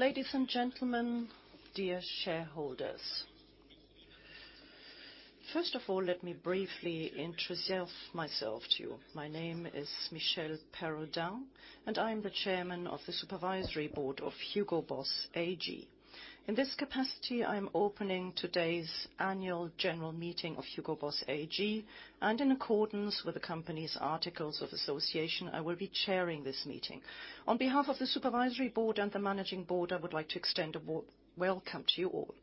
Ladies and gentlemen, dear shareholders. First of all, let me briefly introduce myself to you. My name is Michel Perraudin, and I'm the Chairman of the Supervisory Board of Hugo Boss AG. In this capacity, I'm opening today's annual general meeting of Hugo Boss AG, and in accordance with the company's articles of association, I will be chairing this meeting. On behalf of the Supervisory Board and the Managing Board, I would like to extend a welcome to you all.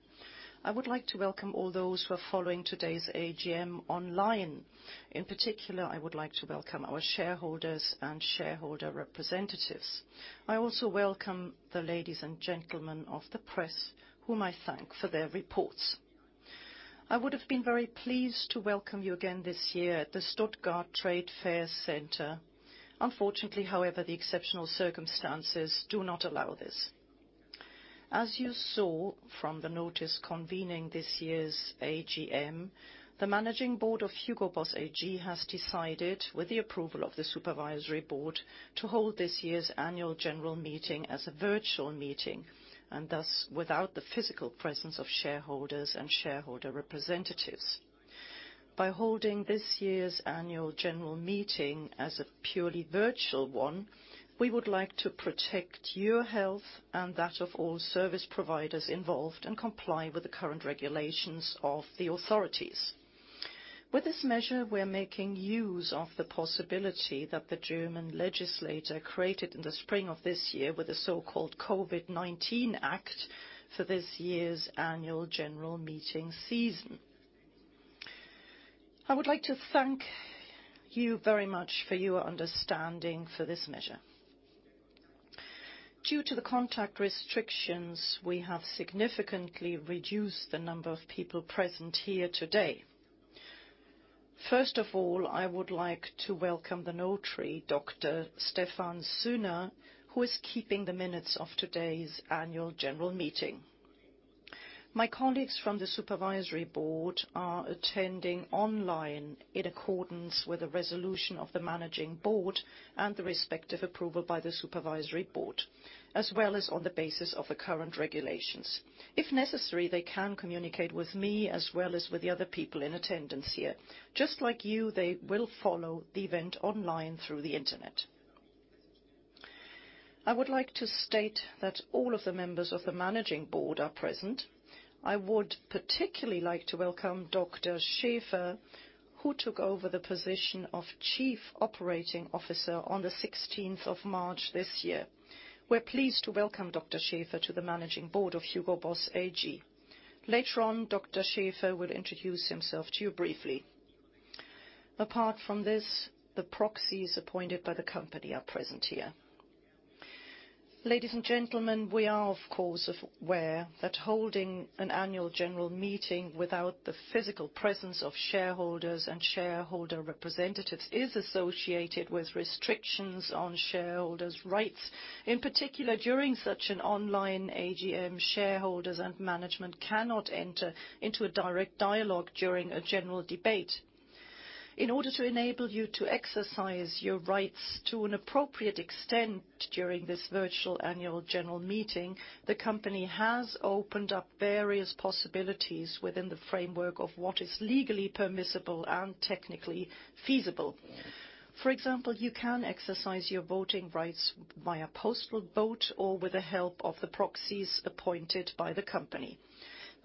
I would like to welcome all those who are following today's AGM online. In particular, I would like to welcome our shareholders and shareholder representatives. I also welcome the ladies and gentlemen of the press, whom I thank for their reports. I would have been very pleased to welcome you again this year at the Stuttgart Trade Fair Center. Unfortunately, however, the exceptional circumstances do not allow this. As you saw from the notice convening this year's AGM, the managing board of Hugo Boss AG has decided, with the approval of the supervisory board, to hold this year's annual general meeting as a virtual meeting, and thus without the physical presence of shareholders and shareholder representatives. By holding this year's annual general meeting as a purely virtual one, we would like to protect your health and that of all service providers involved and comply with the current regulations of the authorities. With this measure, we're making use of the possibility that the German legislator created in the spring of this year with the so-called COVID-19 Act for this year's annual general meeting season. I would like to thank you very much for your understanding for this measure. Due to the contact restrictions, we have significantly reduced the number of people present here today. First of all, I would like to welcome the notary, Dr. Stephan Sünner, who is keeping the minutes of today's annual general meeting. My colleagues from the supervisory board are attending online in accordance with the resolution of the managing board and the respective approval by the supervisory board, as well as on the basis of the current regulations. If necessary, they can communicate with me as well as with the other people in attendance here. Just like you, they will follow the event online through the internet. I would like to state that all of the members of the managing board are present. I would particularly like to welcome Dr. Schäfer, who took over the position of Chief Operating Officer on the 16th of March this year. We're pleased to welcome Dr. Schäfer to the managing board of Hugo Boss AG. Later on, Dr. Schäfer will introduce himself to you briefly. Apart from this, the proxies appointed by the company are present here. Ladies and gentlemen, we are of course aware that holding an annual general meeting without the physical presence of shareholders and shareholder representatives is associated with restrictions on shareholders' rights. In particular, during such an online AGM, shareholders and management cannot enter into a direct dialogue during a general debate. In order to enable you to exercise your rights to an appropriate extent during this virtual annual general meeting, the company has opened up various possibilities within the framework of what is legally permissible and technically feasible. For example, you can exercise your voting rights via postal vote or with the help of the proxies appointed by the company.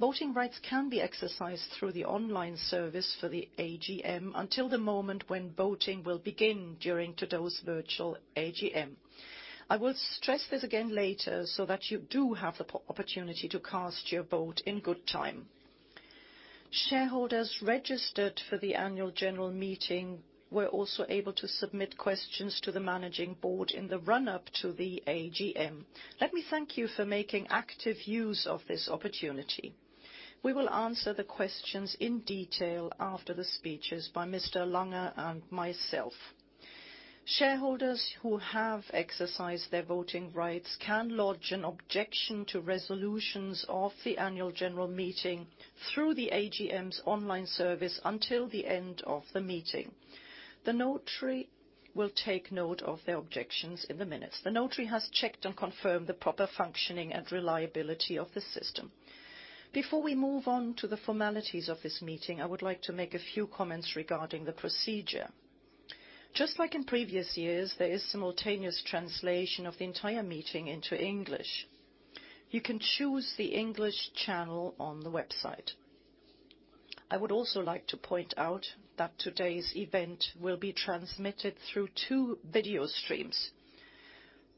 Voting rights can be exercised through the online service for the AGM until the moment when voting will begin during today's virtual AGM. I will stress this again later so that you do have the opportunity to cast your vote in good time. Shareholders registered for the annual general meeting were also able to submit questions to the Managing Board in the run-up to the AGM. Let me thank you for making active use of this opportunity. We will answer the questions in detail after the speeches by Mr. Langer and myself. Shareholders who have exercised their voting rights can lodge an objection to resolutions of the annual general meeting through the AGM's online service until the end of the meeting. The notary will take note of their objections in the minutes. The notary has checked and confirmed the proper functioning and reliability of the system. Before we move on to the formalities of this meeting, I would like to make a few comments regarding the procedure. Just like in previous years, there is simultaneous translation of the entire meeting into English. You can choose the English channel on the website. I would also like to point out that today's event will be transmitted through two video streams.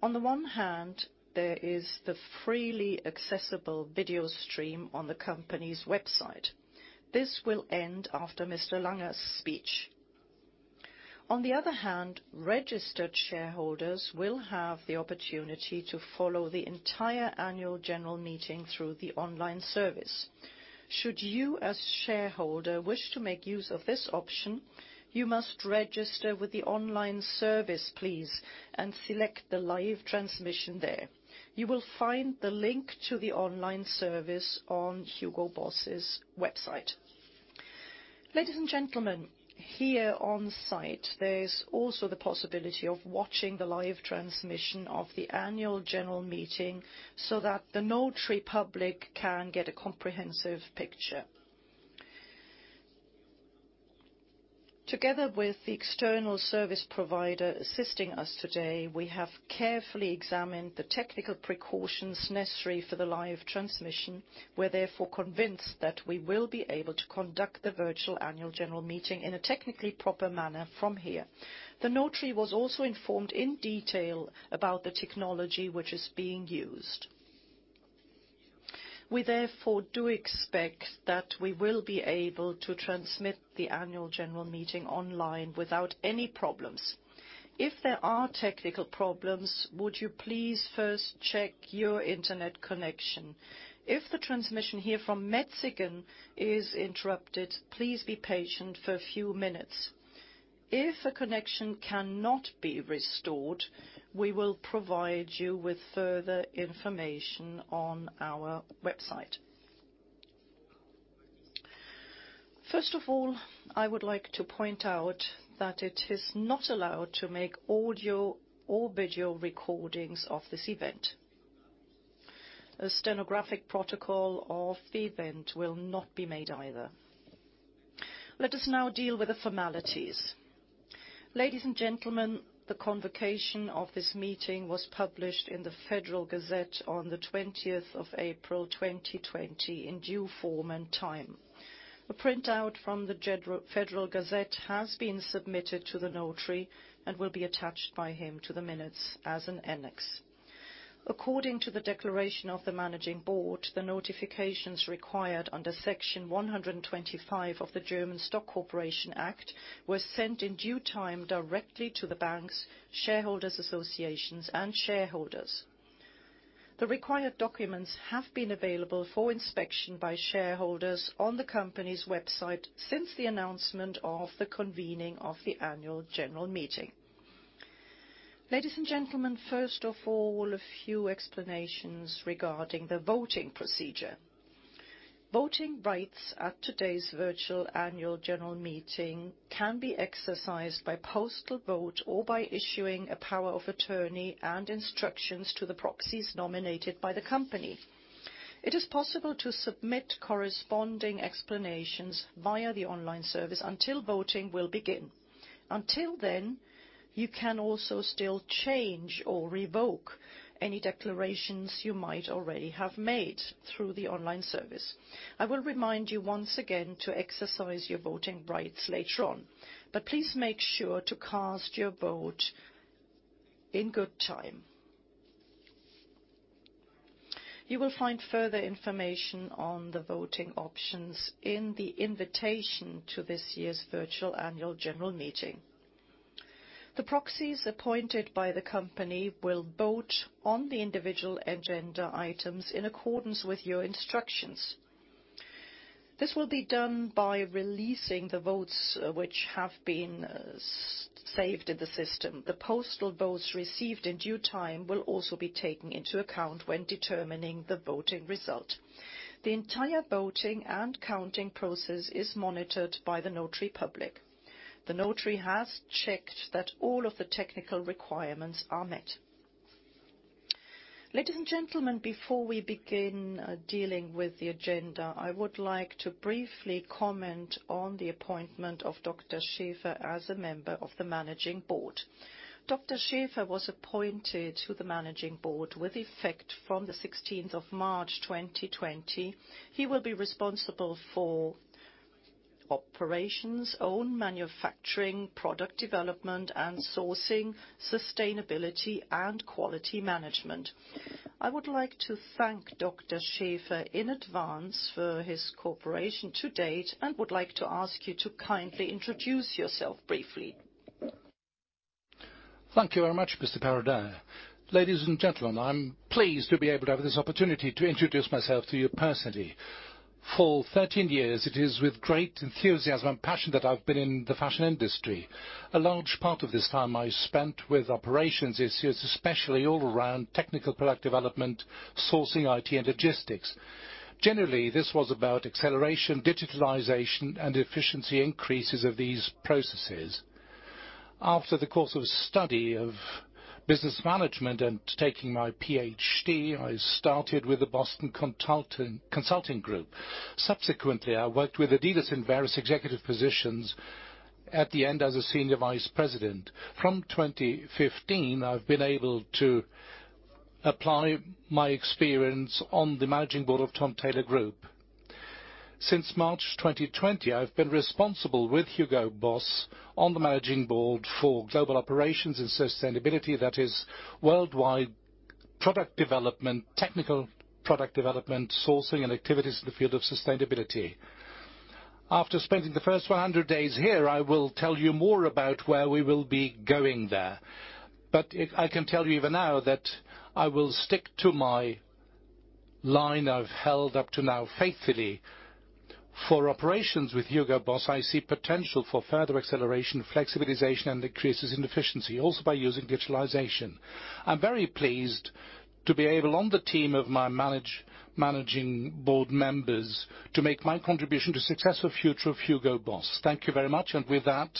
On the one hand, there is the freely accessible video stream on the company's website. This will end after Mr. Langer's speech. On the other hand, registered shareholders will have the opportunity to follow the entire Annual General Meeting through the online service. Should you as shareholder wish to make use of this option, you must register with the online service, please, and select the live transmission there. You will find the link to the online service on Hugo Boss's website. Ladies and gentlemen, here on site, there's also the possibility of watching the live transmission of the annual general meeting so that the notary public can get a comprehensive picture. Together with the external service provider assisting us today, we have carefully examined the technical precautions necessary for the live transmission. We're therefore convinced that we will be able to conduct the virtual annual general meeting in a technically proper manner from here. The notary was also informed in detail about the technology which is being used. We therefore do expect that we will be able to transmit the annual general meeting online without any problems. If there are technical problems, would you please first check your internet connection? If the transmission here from Metzingen is interrupted, please be patient for a few minutes. If a connection cannot be restored, we will provide you with further information on our website. First of all, I would like to point out that it is not allowed to make audio or video recordings of this event. A stenographic protocol of the event will not be made either. Let us now deal with the formalities. Ladies and gentlemen, the convocation of this meeting was published in the Federal Gazette on the 20th of April 2020 in due form and time. The printout from the Federal Gazette has been submitted to the notary and will be attached by him to the minutes as an annex. According to the declaration of the managing board, the notifications required under Section 125 of the German Stock Corporation Act was sent in due time directly to the banks, shareholders associations, and shareholders. The required documents have been available for inspection by shareholders on the company's website since the announcement of the convening of the annual general meeting. Ladies and gentlemen, first of all, a few explanations regarding the voting procedure. Voting rights at today's virtual annual general meeting can be exercised by postal vote or by issuing a power of attorney and instructions to the proxies nominated by the company. It is possible to submit corresponding explanations via the online service until voting will begin. Until then, you can also still change or revoke any declarations you might already have made through the online service. I will remind you once again to exercise your voting rights later on. Please make sure to cast your vote in good time. You will find further information on the voting options in the invitation to this year's virtual annual general meeting. The proxies appointed by the company will vote on the individual agenda items in accordance with your instructions. This will be done by releasing the votes which have been saved in the system. The postal votes received in due time will also be taken into account when determining the voting result. The entire voting and counting process is monitored by the notary public. The notary has checked that all of the technical requirements are met. Ladies and gentlemen, before we begin dealing with the agenda, I would like to briefly comment on the appointment of Dr. Schäfer as a member of the Managing Board. Dr. Schäfer was appointed to the Managing Board with effect from the 16th of March 2020. He will be responsible for operations, own manufacturing, product development and sourcing, sustainability, and quality management. I would like to thank Dr. Schäfer in advance for his cooperation to date, and would like to ask you to kindly introduce yourself briefly. Thank you very much, Mr. Perraudin. Ladies and gentlemen, I'm pleased to be able to have this opportunity to introduce myself to you personally. For 13 years, it is with great enthusiasm and passion that I've been in the fashion industry. A large part of this time I spent with operations issues, especially all around technical product development, sourcing, IT, and logistics. Generally, this was about acceleration, digitalization, and efficiency increases of these processes. After the course of study of business management and taking my PhD, I started with the Boston Consulting Group. Subsequently, I worked with adidas in various executive positions. At the end, as a senior vice president. From 2015, I've been able to apply my experience on the managing board of TOM TAILOR Group. Since March 2020, I've been responsible with Hugo Boss on the managing board for global operations and sustainability. That is, worldwide product development, technical product development, sourcing, and activities in the field of sustainability. After spending the first 100 days here, I will tell you more about where we will be going there. I can tell you even now that I will stick to my line I've held up to now faithfully. For operations with Hugo Boss, I see potential for further acceleration, flexibilization, and increases in efficiency, also by using digitalization. I'm very pleased to be able, on the team of my managing board members, to make my contribution to successful future of Hugo Boss. Thank you very much. With that,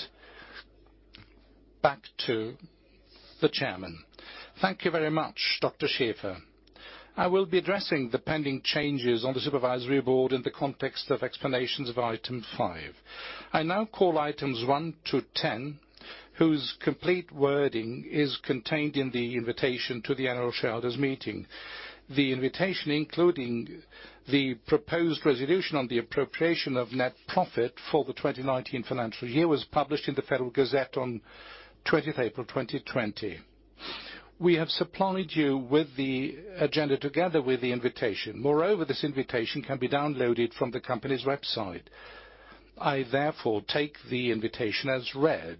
back to the chairman. Thank you very much, Dr. Schäfer. I will be addressing the pending changes on the supervisory board in the context of explanations of item five. I now call items one to 10, whose complete wording is contained in the invitation to the annual shareholders meeting. The invitation, including the proposed resolution on the appropriation of net profit for the 2019 financial year, was published in the Federal Gazette on 20th April 2020. We have supplied you with the agenda together with the invitation. Moreover, this invitation can be downloaded from the company's website. I therefore take the invitation as read.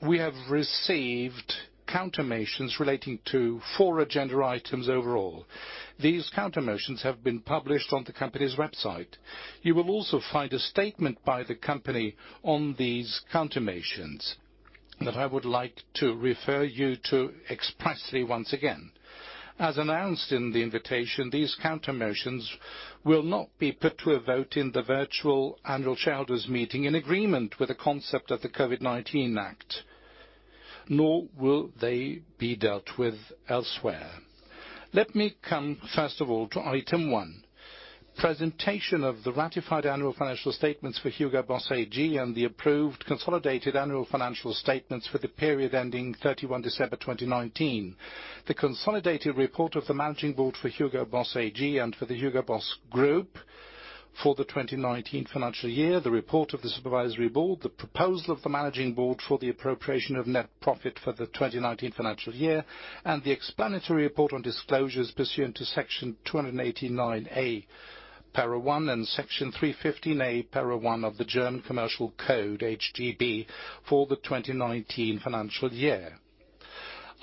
We have received countermotions relating to four agenda items overall. These countermotions have been published on the company's website. You will also find a statement by the company on these countermotions that I would like to refer you to expressly once again. As announced in the invitation, these countermotions will not be put to a vote in the virtual annual shareholders meeting in agreement with the concept of the COVID-19 Act, nor will they be dealt with elsewhere. Let me come first of all to item one, presentation of the ratified annual financial statements for Hugo Boss AG and the approved consolidated annual financial statements for the period ending 31 December 2019. The consolidated report of the Managing Board for Hugo Boss AG and for the Hugo Boss Group for the 2019 financial year, the report of the Supervisory Board, the proposal of the Managing Board for the appropriation of net profit for the 2019 financial year, and the explanatory report on disclosures pursuant to Section 289a, para one, and Section 315a, para one of the German Commercial Code, HGB, for the 2019 financial year.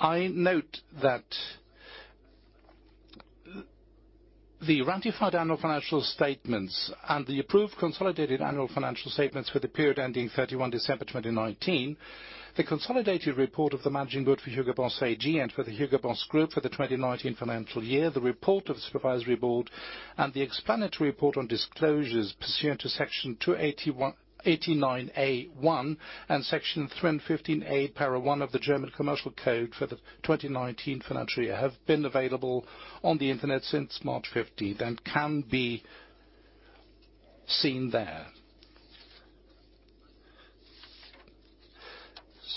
I note that the ratified annual financial statements and the approved consolidated annual financial statements for the period ending 31 December 2019, the consolidated report of the managing board for Hugo Boss AG and for the Hugo Boss Group for the 2019 financial year, the report of the supervisory board, and the explanatory report on disclosures pursuant to Section 289a and Section 315a, para one of the German Commercial Code for the 2019 financial year have been available on the internet since March 15th and can be seen there.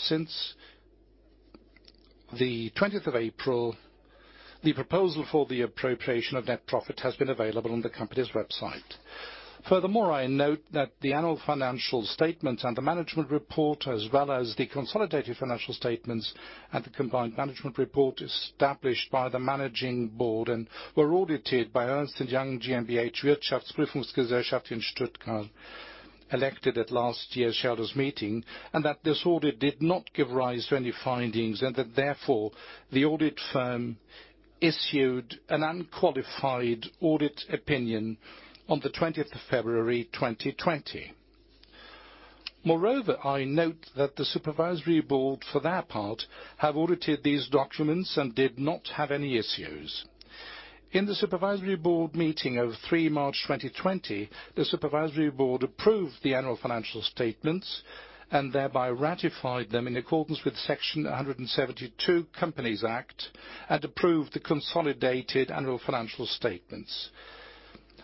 Since the 20th of April, the proposal for the appropriation of net profit has been available on the company's website. I note that the annual financial statements and the Management Board report, as well as the consolidated financial statements and the combined Management Board report established by the Management Board and were audited by Ernst & Young GmbH Wirtschaftsprüfungsgesellschaft in Stuttgart, elected at last year's shareholders meeting, and that this audit did not give rise to any findings, and that therefore the audit firm issued an unqualified audit opinion on the 20th of February 2020. I note that the Supervisory Board, for their part, have audited these documents and did not have any issues. In the Supervisory Board meeting of 3 March 2020, the Supervisory Board approved the annual financial statements and thereby ratified them in accordance with Section 172 Companies Act and approved the consolidated annual financial statements.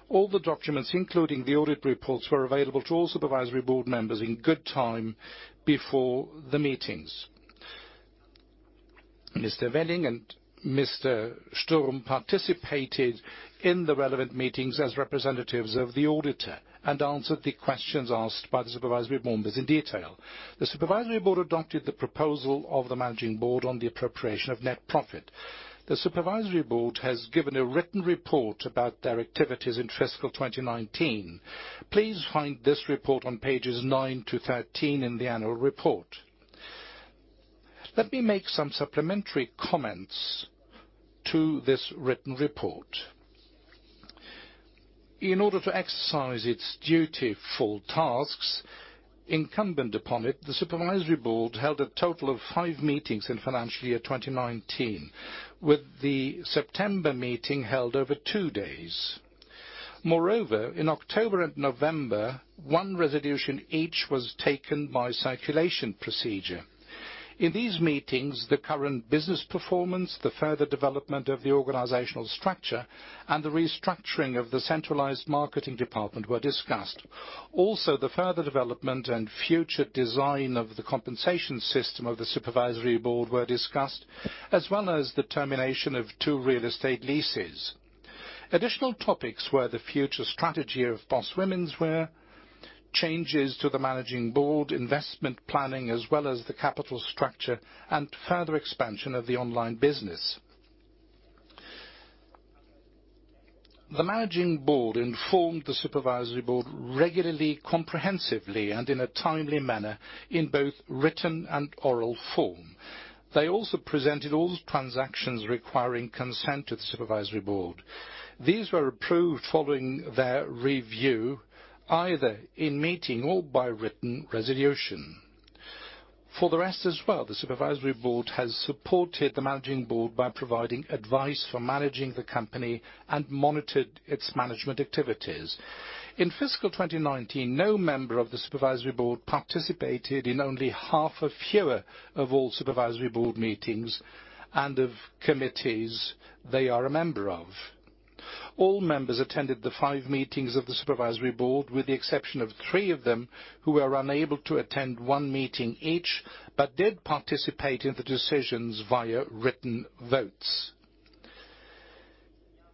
All the documents, including the audit reports, were available to all Supervisory Board members in good time before the meetings. Mr. Werling and Mr. Sturm participated in the relevant meetings as representatives of the auditor and answered the questions asked by the supervisory members in detail. The Supervisory Board adopted the proposal of the Management Board on the appropriation of net profit. The Supervisory Board has given a written report about their activities in fiscal 2019. Please find this report on pages nine to 13 in the annual report. Let me make some supplementary comments to this written report. In order to exercise its duty full tasks incumbent upon it, the Supervisory Board held a total of five meetings in financial year 2019, with the September meeting held over two days. Moreover, in October and November, one resolution each was taken by circulation procedure. In these meetings, the current business performance, the further development of the organizational structure, and the restructuring of the centralized marketing department were discussed. Also, the further development and future design of the compensation system of the supervisory board were discussed, as well as the termination of two real estate leases. Additional topics were the future strategy of BOSS Womenswear, changes to the managing board, investment planning, as well as the capital structure and further expansion of the online business. The managing board informed the supervisory board regularly, comprehensively, and in a timely manner in both written and oral form. They also presented all transactions requiring consent to the supervisory board. These were approved following their review, either in meeting or by written resolution. For the rest as well, the supervisory board has supported the managing board by providing advice for managing the company and monitored its management activities. In fiscal 2019, no member of the supervisory board participated in only half or fewer of all supervisory board meetings and of committees they are a member of. All members attended the five meetings of the supervisory board, with the exception of three of them who were unable to attend one meeting each, but did participate in the decisions via written votes.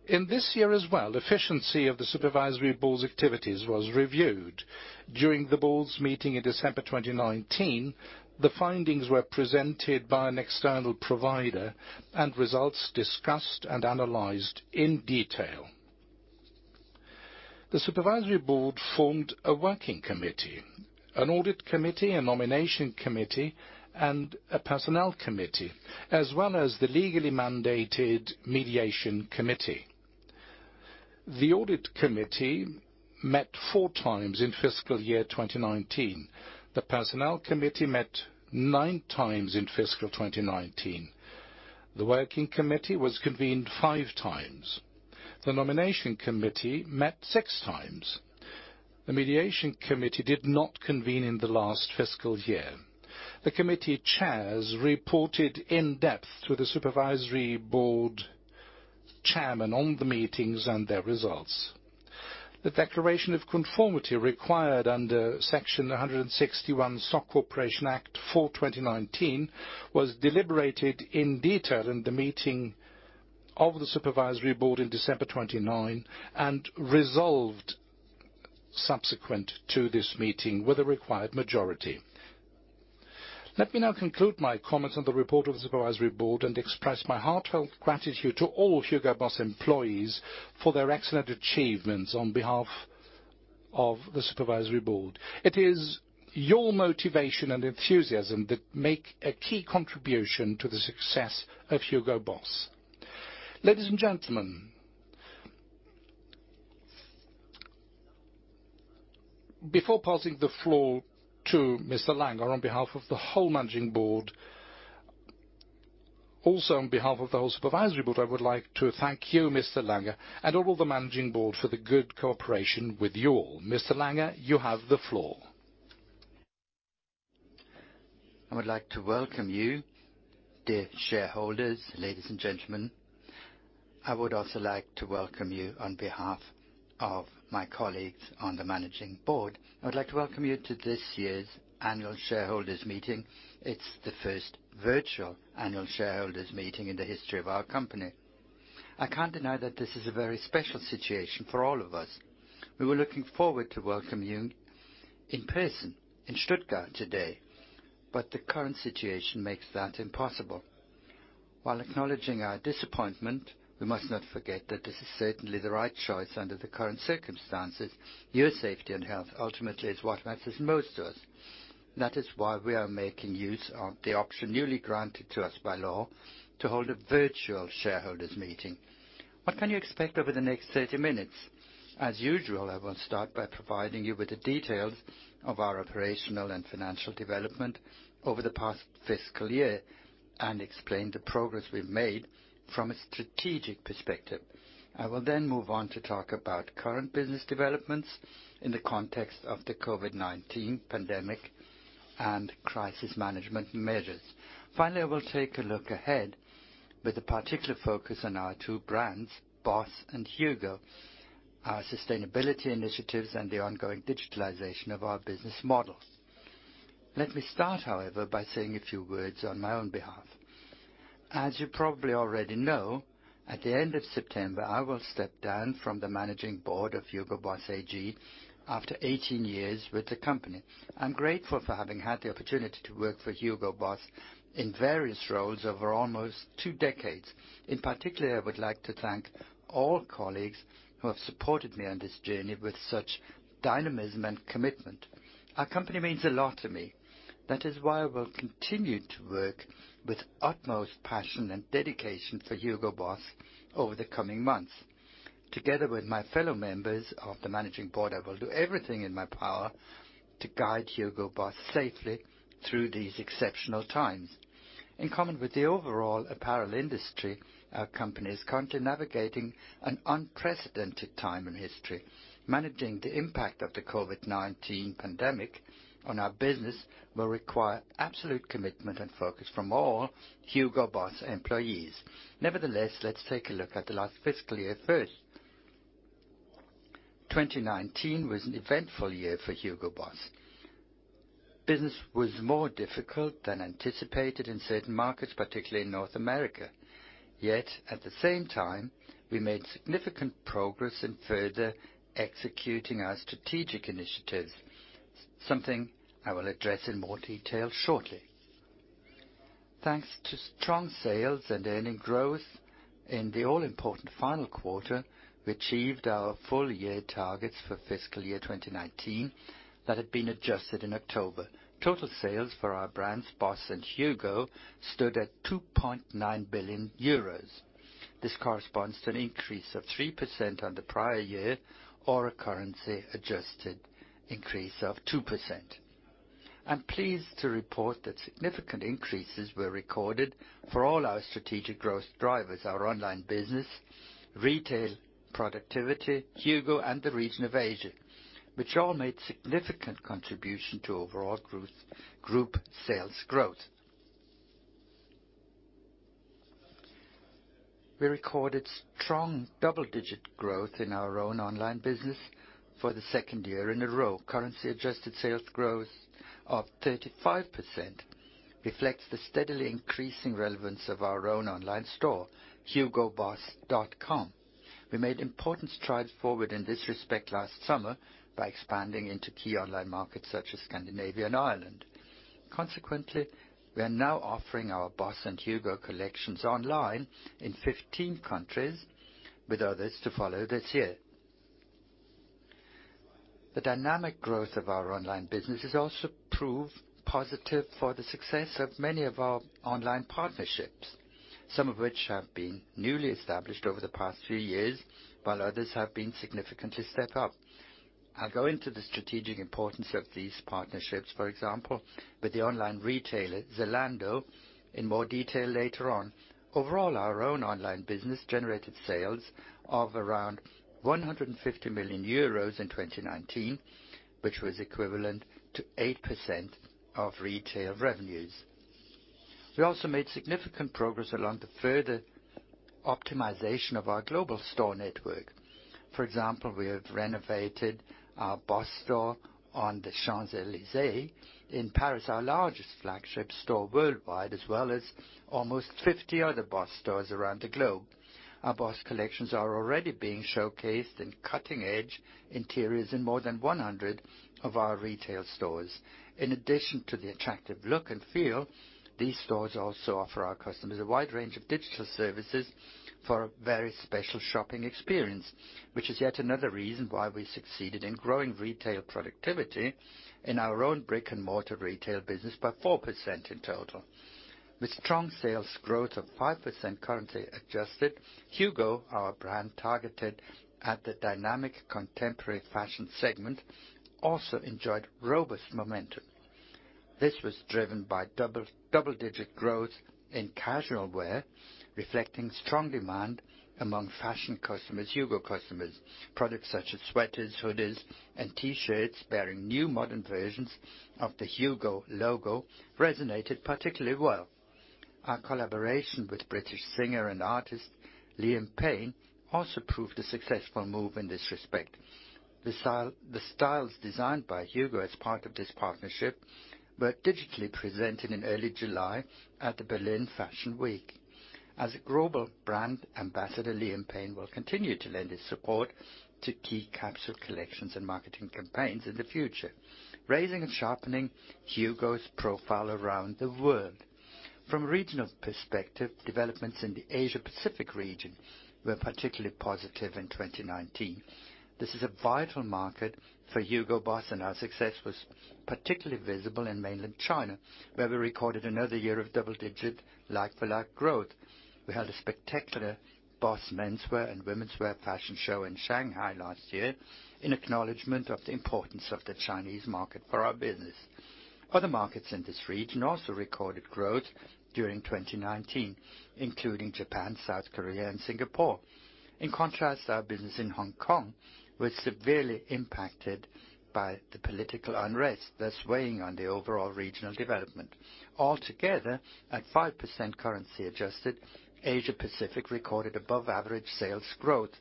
In this year as well, efficiency of the supervisory board's activities was reviewed. During the board's meeting in December 2019, the findings were presented by an external provider and results discussed and analyzed in detail. The supervisory board formed a working committee, an audit committee, a nomination committee, and a personnel committee, as well as the legally mandated mediation committee. The audit committee met four times in fiscal year 2019. The personnel committee met nine times in fiscal 2019. The working committee was convened five times. The nomination committee met six times. The mediation committee did not convene in the last fiscal year. The committee chairs reported in depth to the Supervisory Board Chairman on the meetings and their results. The declaration of conformity required under Section 161 Stock Corporation Act for 2019 was deliberated in detail in the meeting of the Supervisory Board in December 29, and resolved subsequent to this meeting with the required majority. Let me now conclude my comments on the report of the Supervisory Board and express my heartfelt gratitude to all Hugo Boss employees for their excellent achievements on behalf of the Supervisory Board. It is your motivation and enthusiasm that make a key contribution to the success of Hugo Boss. Ladies and gentlemen, before passing the floor to Mr. Langer on behalf of the whole Management Board, also on behalf of the whole Supervisory Board, I would like to thank you, Mr. Langer, and all the Management Board for the good cooperation with you all. Mr. Langer, you have the floor. I would like to welcome you, dear shareholders, ladies and gentlemen. I would also like to welcome you on behalf of my colleagues on the managing board. I would like to welcome you to this year's annual shareholders meeting. It's the first virtual annual shareholders meeting in the history of our company. I can't deny that this is a very special situation for all of us. We were looking forward to welcome you in person in Stuttgart today, but the current situation makes that impossible. While acknowledging our disappointment, we must not forget that this is certainly the right choice under the current circumstances. Your safety and health ultimately is what matters most to us. That is why we are making use of the option newly granted to us by law to hold a virtual shareholders meeting. What can you expect over the next 30 minutes? As usual, I will start by providing you with the details of our operational and financial development over the past fiscal year and explain the progress we've made from a strategic perspective. I will then move on to talk about current business developments in the context of the COVID-19 pandemic and crisis management measures. Finally, I will take a look ahead with a particular focus on our two brands, BOSS and HUGO, our sustainability initiatives, and the ongoing digitalization of our business models. Let me start, however, by saying a few words on my own behalf. As you probably already know, at the end of September, I will step down from the managing board of Hugo Boss AG after 18 years with the company. I'm grateful for having had the opportunity to work for Hugo Boss in various roles over almost two decades. In particular, I would like to thank all colleagues who have supported me on this journey with such dynamism and commitment. Our company means a lot to me. That is why I will continue to work with utmost passion and dedication for Hugo Boss over the coming months. Together with my fellow members of the managing board, I will do everything in my power to guide Hugo Boss safely through these exceptional times. In common with the overall apparel industry, our company is currently navigating an unprecedented time in history. Managing the impact of the COVID-19 pandemic on our business will require absolute commitment and focus from all Hugo Boss employees. Nevertheless, let's take a look at the last fiscal year first. 2019 was an eventful year for Hugo Boss. Business was more difficult than anticipated in certain markets, particularly in North America. At the same time, we made significant progress in further executing our strategic initiatives, something I will address in more detail shortly. Thanks to strong sales and earnings growth in the all-important final quarter, we achieved our full year targets for fiscal year 2019 that had been adjusted in October. Total sales for our brands, BOSS and HUGO, stood at 2.9 billion euros. This corresponds to an increase of 3% on the prior year, or a currency-adjusted increase of 2%. I'm pleased to report that significant increases were recorded for all our strategic growth drivers, our online business, retail productivity, HUGO, and the region of Asia, which all made significant contribution to overall group sales growth. We recorded strong double-digit growth in our own online business for the second year in a row. Currency-adjusted sales growth of 35% reflects the steadily increasing relevance of our own online store, hugoboss.com. We made important strides forward in this respect last summer by expanding into key online markets such as Scandinavia and Ireland. We are now offering our BOSS and HUGO collections online in 15 countries, with others to follow this year. The dynamic growth of our online business has also proved positive for the success of many of our online partnerships, some of which have been newly established over the past few years, while others have been significantly stepped up. I'll go into the strategic importance of these partnerships, for example, with the online retailer Zalando in more detail later on. Overall, our own online business generated sales of around 150 million euros in 2019, which was equivalent to 8% of retail revenues. We also made significant progress along the further optimization of our global store network. For example, we have renovated our BOSS store on the Champs-Élysées in Paris, our largest flagship store worldwide, as well as almost 50 other BOSS stores around the globe. Our BOSS collections are already being showcased in cutting-edge interiors in more than 100 of our retail stores. In addition to the attractive look and feel, these stores also offer our customers a wide range of digital services for a very special shopping experience, which is yet another reason why we succeeded in growing retail productivity in our own brick-and-mortar retail business by 4% in total. With strong sales growth of 5% currency adjusted, HUGO, our brand targeted at the dynamic contemporary fashion segment, also enjoyed robust momentum. This was driven by double-digit growth in casual wear, reflecting strong demand among fashion customers, HUGO customers. Products such as sweaters, hoodies, and T-shirts bearing new modern versions of the HUGO logo resonated particularly well. Our collaboration with British singer and artist Liam Payne also proved a successful move in this respect. The styles designed by HUGO as part of this partnership were digitally presented in early July at the Berlin Fashion Week. As a global brand ambassador, Liam Payne will continue to lend his support to key capsule collections and marketing campaigns in the future, raising and sharpening HUGO's profile around the world. From a regional perspective, developments in the Asia-Pacific region were particularly positive in 2019. This is a vital market for Hugo Boss, and our success was particularly visible in mainland China, where we recorded another year of double-digit like-for-like growth. We held a spectacular BOSS Menswear and BOSS Womenswear fashion show in Shanghai last year in acknowledgment of the importance of the Chinese market for our business. Other markets in this region also recorded growth during 2019, including Japan, South Korea, and Singapore. In contrast, our business in Hong Kong was severely impacted by the political unrest, thus weighing on the overall regional development. Altogether, at 5% currency adjusted, Asia-Pacific recorded above average sales growth.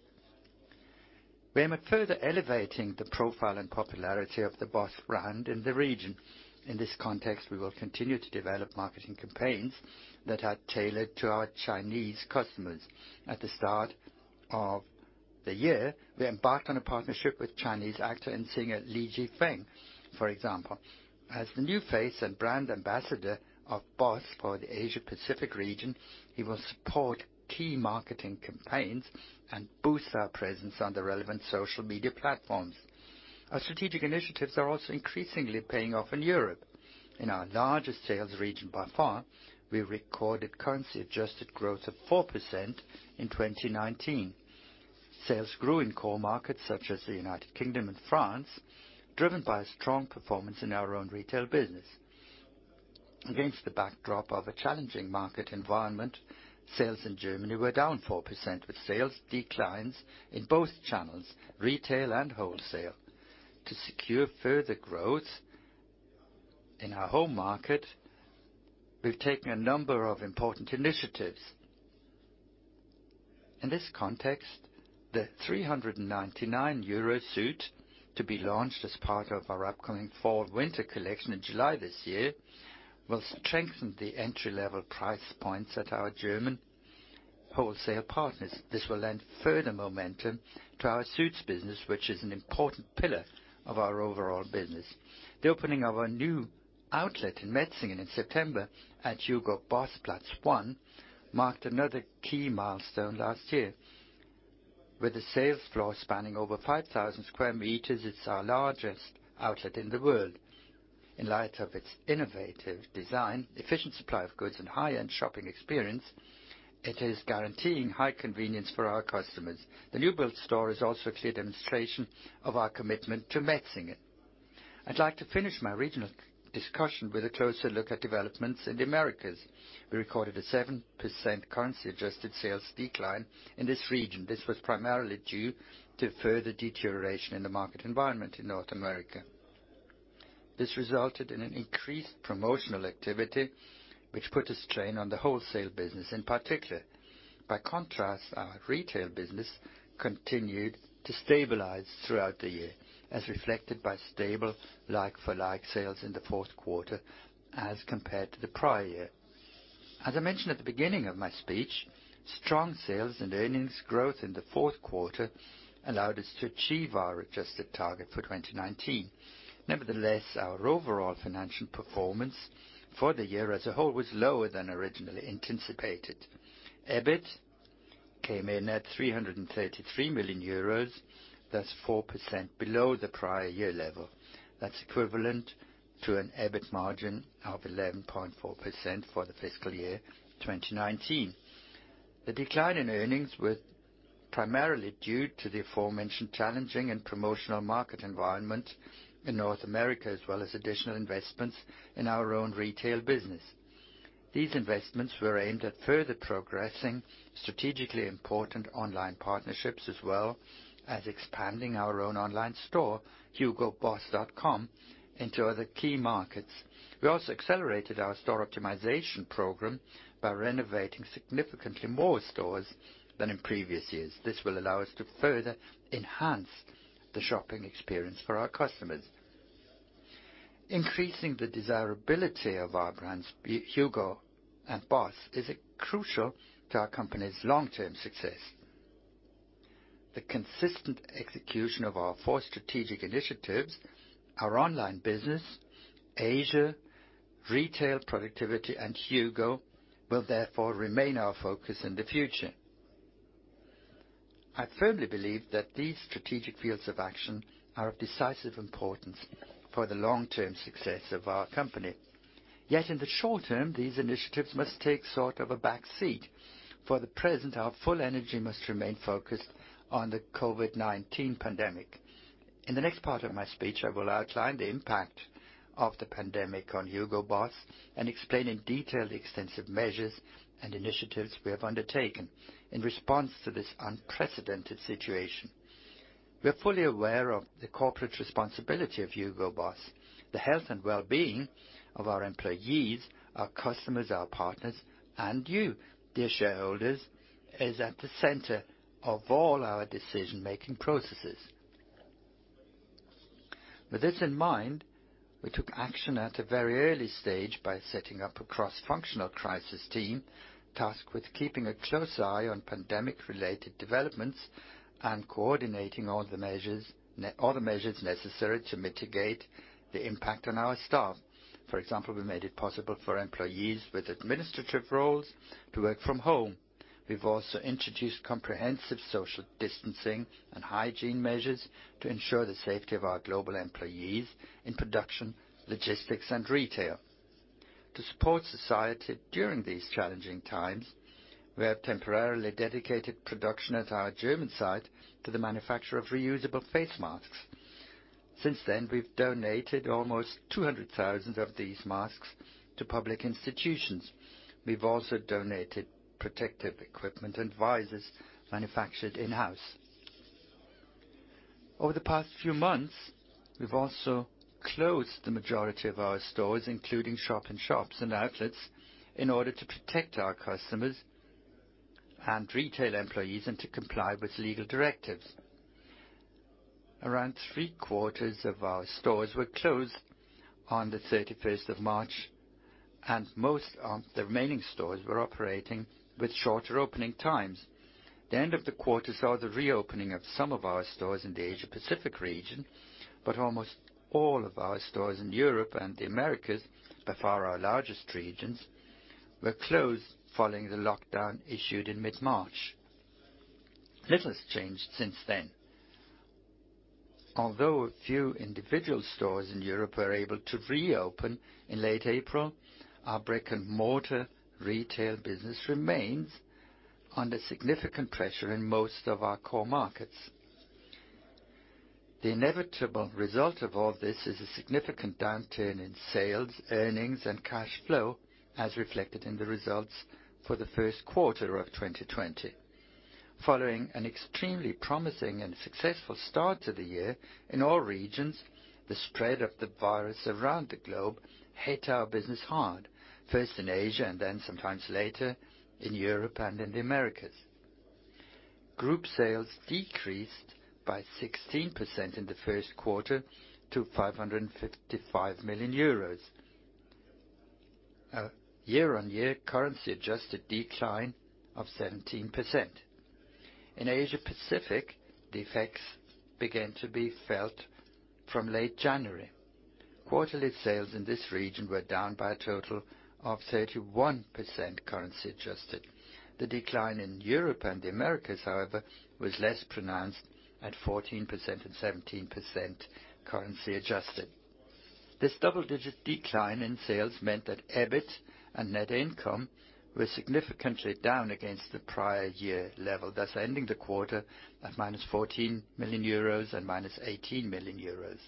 We are further elevating the profile and popularity of the BOSS brand in the region. In this context, we will continue to develop marketing campaigns that are tailored to our Chinese customers. At the start of the year, we embarked on a partnership with Chinese actor and singer Li Yifeng for example. As the new face and brand ambassador of BOSS for the Asia-Pacific region, he will support key marketing campaigns and boost our presence on the relevant social media platforms. Our strategic initiatives are also increasingly paying off in Europe. In our largest sales region by far, we recorded currency-adjusted growth of 4% in 2019. Sales grew in core markets such as the United Kingdom and France, driven by strong performance in our own retail business. Against the backdrop of a challenging market environment, sales in Germany were down 4%, with sales declines in both channels, retail and wholesale. To secure further growth in our home market, we've taken a number of important initiatives. In this context, the 399 euro suit to be launched as part of our upcoming fall-winter collection in July this year will strengthen the entry-level price points at our German wholesale partners. This will lend further momentum to our suits business, which is an important pillar of our overall business. The opening of our new outlet in Metzingen in September at Hugo-Boss-Platz 1 marked another key milestone last year. With a sales floor spanning over 5,000 sq m, it's our largest outlet in the world. In light of its innovative design, efficient supply of goods, and high-end shopping experience, it is guaranteeing high convenience for our customers. The newly built store is also a clear demonstration of our commitment to Metzingen. I'd like to finish my regional discussion with a closer look at developments in the Americas. We recorded a 7% currency-adjusted sales decline in this region. This was primarily due to further deterioration in the market environment in North America. This resulted in an increased promotional activity, which put a strain on the wholesale business in particular. Our retail business continued to stabilize throughout the year, as reflected by stable like-for-like sales in the fourth quarter as compared to the prior year. As I mentioned at the beginning of my speech, strong sales and earnings growth in the fourth quarter allowed us to achieve our adjusted target for 2019. Our overall financial performance for the year as a whole was lower than originally anticipated. EBIT came in at 333 million euros. That's 4% below the prior year level. That's equivalent to an EBIT margin of 11.4% for the fiscal year 2019. The decline in earnings were primarily due to the aforementioned challenging and promotional market environment in North America, as well as additional investments in our own retail business. These investments were aimed at further progressing strategically important online partnerships, as well as expanding our own online store, hugoboss.com, into other key markets. We also accelerated our store optimization program by renovating significantly more stores than in previous years. This will allow us to further enhance the shopping experience for our customers. Increasing the desirability of our brands, HUGO and BOSS, is crucial to our company's long-term success. The consistent execution of our four strategic initiatives, our online business, Asia, retail productivity, and HUGO will therefore remain our focus in the future. I firmly believe that these strategic fields of action are of decisive importance for the long-term success of our company. In the short term, these initiatives must take sort of a back seat. For the present, our full energy must remain focused on the COVID-19 pandemic. In the next part of my speech, I will outline the impact of the pandemic on Hugo Boss and explain in detail the extensive measures and initiatives we have undertaken in response to this unprecedented situation. We are fully aware of the corporate responsibility of Hugo Boss. The health and well-being of our employees, our customers, our partners, and you, dear shareholders, is at the center of all our decision-making processes. With this in mind, we took action at a very early stage by setting up a cross-functional crisis team tasked with keeping a close eye on pandemic-related developments and coordinating all the measures necessary to mitigate the impact on our staff. For example, we made it possible for employees with administrative roles to work from home. We've also introduced comprehensive social distancing and hygiene measures to ensure the safety of our global employees in production, logistics, and retail. To support society during these challenging times, we have temporarily dedicated production at our German site to the manufacture of reusable face masks. Since then, we've donated almost 200,000 of these masks to public institutions. We've also donated protective equipment and visors manufactured in-house. Over the past few months, we've also closed the majority of our stores, including shop-in-shops and outlets, in order to protect our customers and retail employees and to comply with legal directives. Around three-quarters of our stores were closed on the 31st of March, and most of the remaining stores were operating with shorter opening times. The end of the quarter saw the reopening of some of our stores in the Asia-Pacific region, but almost all of our stores in Europe and the Americas, by far our largest regions, were closed following the lockdown issued in mid-March. Little has changed since then. Although a few individual stores in Europe were able to reopen in late April, our brick-and-mortar retail business remains under significant pressure in most of our core markets. The inevitable result of all this is a significant downturn in sales, earnings, and cash flow, as reflected in the results for the first quarter of 2020. Following an extremely promising and successful start to the year in all regions, the spread of the virus around the globe hit our business hard, first in Asia and then sometimes later in Europe and in the Americas. Group sales decreased by 16% in the first quarter to 555 million euros, a year-on-year currency adjusted decline of 17%. In Asia-Pacific, the effects began to be felt from late January. Quarterly sales in this region were down by a total of 31% currency adjusted. The decline in Europe and the Americas, however, was less pronounced at 14% and 17% currency adjusted. This double-digit decline in sales meant that EBIT and net income were significantly down against the prior year level, thus ending the quarter at -14 million euros and -18 million euros.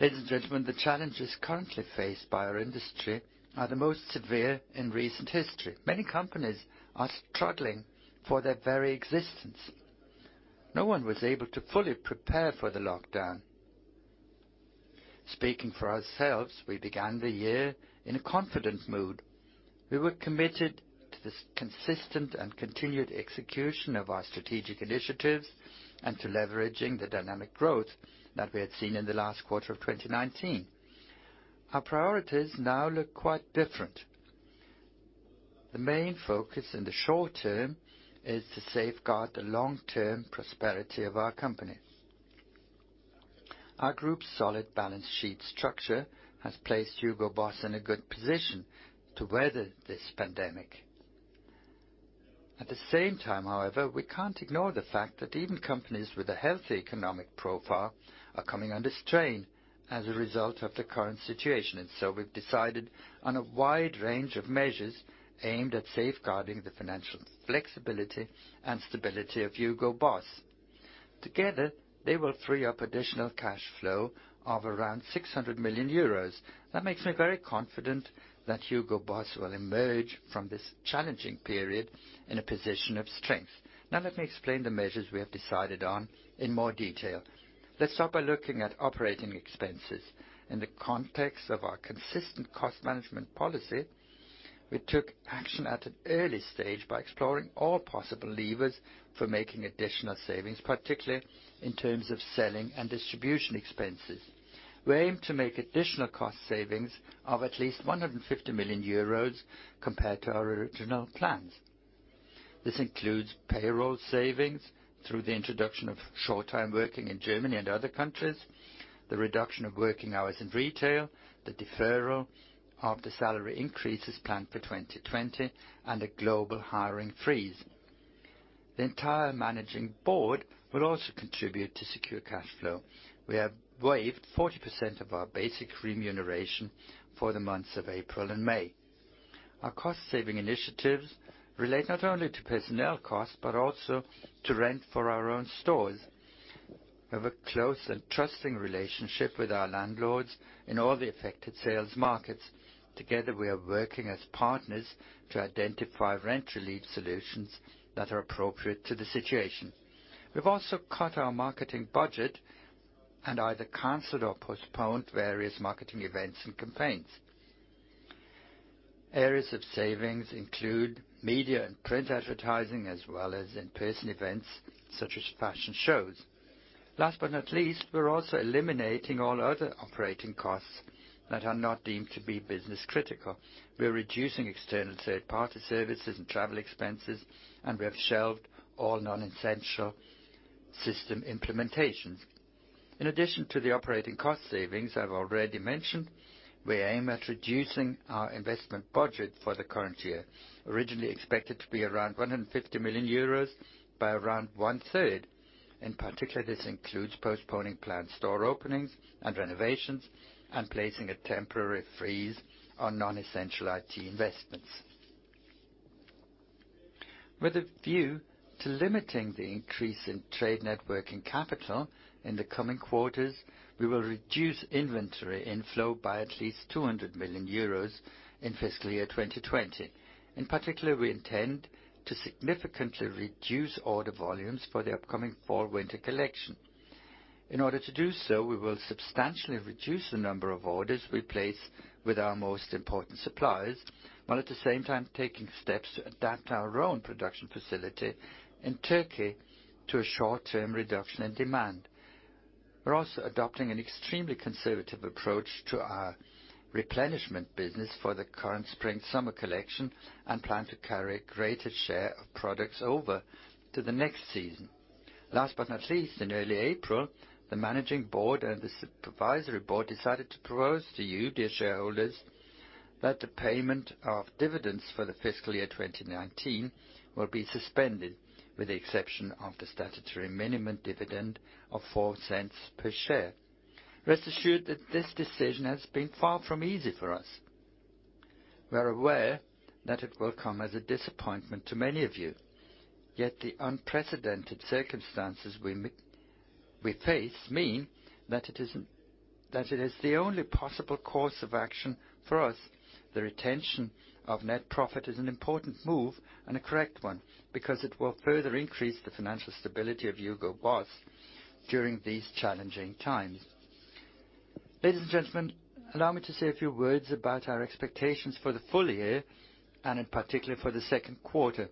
Ladies and gentlemen, the challenges currently faced by our industry are the most severe in recent history. Many companies are struggling for their very existence. No one was able to fully prepare for the lockdown. Speaking for ourselves, we began the year in a confident mood. We were committed to this consistent and continued execution of our strategic initiatives and to leveraging the dynamic growth that we had seen in the last quarter of 2019. Our priorities now look quite different. The main focus in the short term is to safeguard the long-term prosperity of our company. Our group's solid balance sheet structure has placed Hugo Boss in a good position to weather this pandemic. At the same time, however, we can't ignore the fact that even companies with a healthy economic profile are coming under strain as a result of the current situation. We've decided on a wide range of measures aimed at safeguarding the financial flexibility and stability of Hugo Boss. Together, they will free up additional cash flow of around 600 million euros. That makes me very confident that Hugo Boss will emerge from this challenging period in a position of strength. Now let me explain the measures we have decided on in more detail. Let's start by looking at operating expenses. In the context of our consistent cost management policy, we took action at an early stage by exploring all possible levers for making additional savings, particularly in terms of selling and distribution expenses. We aim to make additional cost savings of at least 150 million euros compared to our original plans. This includes payroll savings through the introduction of short-time working in Germany and other countries, the reduction of working hours in retail, the deferral of the salary increases planned for 2020, and a global hiring freeze. The entire managing board will also contribute to secure cash flow. We have waived 40% of our basic remuneration for the months of April and May. Our cost-saving initiatives relate not only to personnel costs, but also to rent for our own stores. We have a close and trusting relationship with our landlords in all the affected sales markets. Together, we are working as partners to identify rent relief solutions that are appropriate to the situation. We've also cut our marketing budget and either canceled or postponed various marketing events and campaigns. Areas of savings include media and print advertising, as well as in-person events such as fashion shows. Last but not least, we're also eliminating all other operating costs that are not deemed to be business critical. We're reducing external third-party services and travel expenses, and we have shelved all non-essential system implementations. In addition to the operating cost savings I've already mentioned, we aim at reducing our investment budget for the current year, originally expected to be around 150 million euros by around one-third. In particular, this includes postponing planned store openings and renovations and placing a temporary freeze on non-essential IT investments. With a view to limiting the increase in trade net working capital in the coming quarters, we will reduce inventory inflow by at least 200 million euros in fiscal year 2020. In particular, we intend to significantly reduce order volumes for the upcoming fall/winter collection. In order to do so, we will substantially reduce the number of orders we place with our most important suppliers, while at the same time taking steps to adapt our own production facility in Turkey to a short-term reduction in demand. We're also adopting an extremely conservative approach to our replenishment business for the current spring/summer collection and plan to carry a greater share of products over to the next season. Last but not least, in early April, the managing board and the supervisory board decided to propose to you, dear shareholders, that the payment of dividends for the fiscal year 2019 will be suspended, with the exception of the statutory minimum dividend of 0.04 per share. Rest assured that this decision has been far from easy for us. We are aware that it will come as a disappointment to many of you. The unprecedented circumstances we face mean that it is the only possible course of action for us. The retention of net profit is an important move and a correct one because it will further increase the financial stability of Hugo Boss during these challenging times. Ladies and gentlemen, allow me to say a few words about our expectations for the full year, and in particular for the second quarter.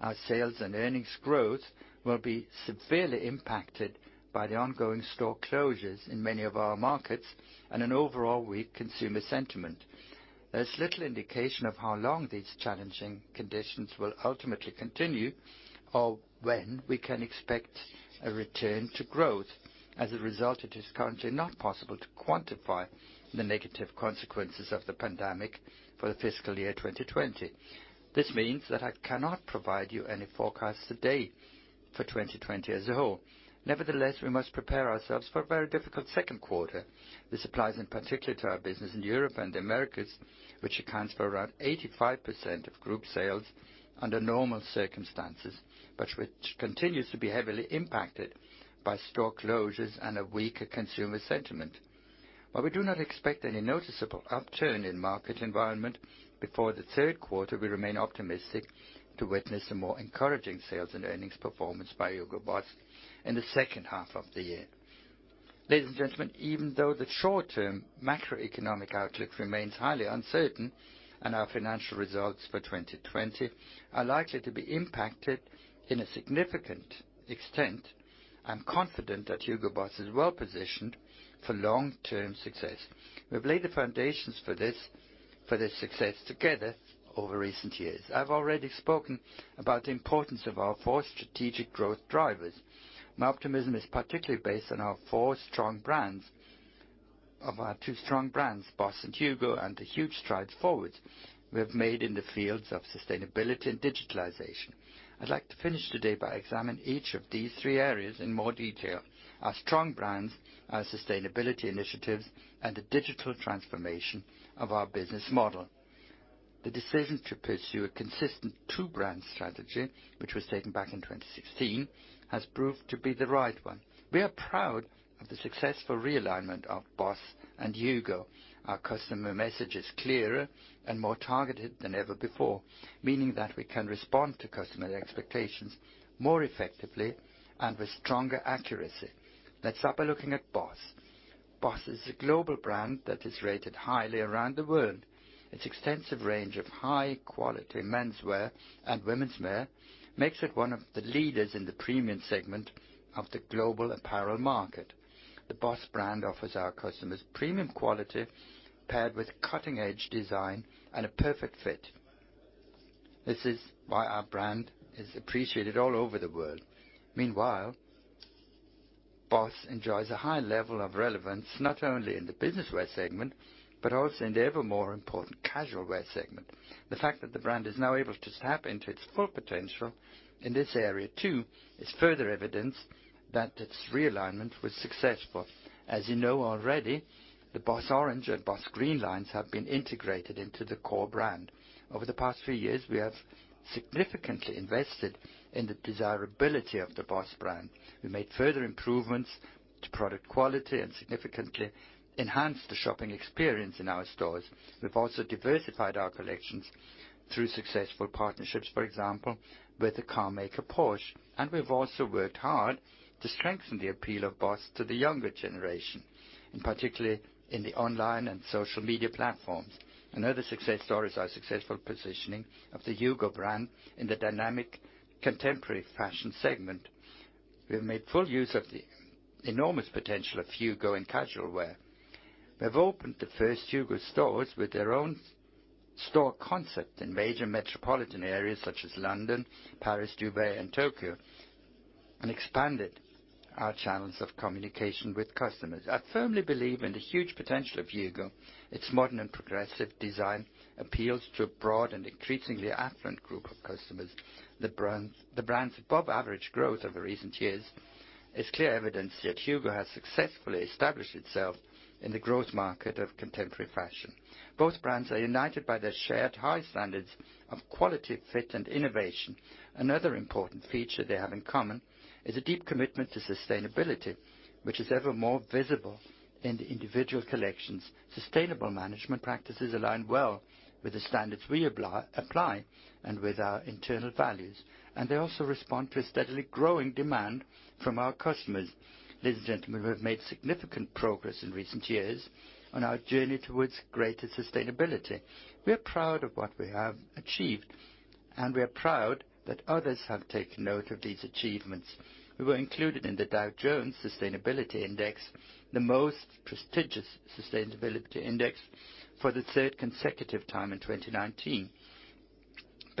Our sales and earnings growth will be severely impacted by the ongoing store closures in many of our markets and an overall weak consumer sentiment. There's little indication of how long these challenging conditions will ultimately continue or when we can expect a return to growth. As a result, it is currently not possible to quantify the negative consequences of the pandemic for the fiscal year 2020. This means that I cannot provide you any forecasts today for 2020 as a whole. Nevertheless, we must prepare ourselves for a very difficult second quarter. This applies in particular to our business in Europe and the Americas, which accounts for around 85% of group sales under normal circumstances, but which continues to be heavily impacted by store closures and a weaker consumer sentiment. While we do not expect any noticeable upturn in market environment before the third quarter, we remain optimistic to witness a more encouraging sales and earnings performance by Hugo Boss in the second half of the year. Ladies and gentlemen, even though the short-term macroeconomic outlook remains highly uncertain, and our financial results for 2020 are likely to be impacted to a significant extent, I'm confident that Hugo Boss is well-positioned for long-term success. We've laid the foundations for this success together over recent years. I've already spoken about the importance of our four strategic growth drivers. My optimism is particularly based on our two strong brands, BOSS and HUGO, and the huge strides forwards we have made in the fields of sustainability and digitalization. I'd like to finish today by examining each of these three areas in more detail. Our strong brands, our sustainability initiatives, and the digital transformation of our business model. The decision to pursue a consistent two-brand strategy, which was taken back in 2016, has proved to be the right one. We are proud of the successful realignment of BOSS and HUGO. Our customer message is clearer and more targeted than ever before, meaning that we can respond to customer expectations more effectively and with stronger accuracy. Let's start by looking at BOSS. BOSS is a global brand that is rated highly around the world. Its extensive range of high-quality menswear and womenswear makes it one of the leaders in the premium segment of the global apparel market. The BOSS brand offers our customers premium quality paired with cutting-edge design and a perfect fit. This is why our brand is appreciated all over the world. Meanwhile, BOSS enjoys a high level of relevance, not only in the business wear segment, but also in the ever more important casual wear segment. The fact that the brand is now able to tap into its full potential in this area too is further evidence that its realignment was successful. As you know already, the BOSS Orange and BOSS Green lines have been integrated into the core brand. Over the past few years, we have significantly invested in the desirability of the BOSS brand. We made further improvements to product quality and significantly enhanced the shopping experience in our stores. We've also diversified our collections through successful partnerships, for example, with the car maker Porsche. We've also worked hard to strengthen the appeal of BOSS to the younger generation, and particularly in the online and social media platforms. Another success story is our successful positioning of the HUGO brand in the dynamic contemporary fashion segment. We have made full use of the enormous potential of HUGO in casual wear. We have opened the first HUGO stores with their own store concept in major metropolitan areas such as London, Paris, Dubai, and Tokyo, and expanded our channels of communication with customers. I firmly believe in the huge potential of HUGO. Its modern and progressive design appeals to a broad and increasingly affluent group of customers. The brand's above-average growth over recent years is clear evidence that HUGO has successfully established itself in the growth market of contemporary fashion. Both brands are united by their shared high standards of quality, fit, and innovation. Another important feature they have in common is a deep commitment to sustainability, which is ever more visible in the individual collections. Sustainable management practices align well with the standards we apply, and with our internal values. They also respond to a steadily growing demand from our customers. Ladies and gentlemen, we have made significant progress in recent years on our journey towards greater sustainability. We are proud of what we have achieved, and we are proud that others have taken note of these achievements. We were included in the Dow Jones Sustainability Index, the most prestigious sustainability index, for the third consecutive time in 2019.